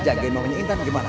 jagain rumahnya intan gimana